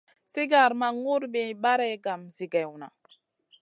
Sigar ma ŋurbiya barey kam zigèwna.